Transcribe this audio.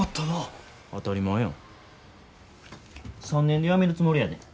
３年で辞めるつもりやで。